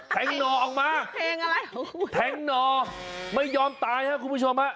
แท้งหนอออกมาแท้งหนอไม่ยอมตายครับคุณผู้ชม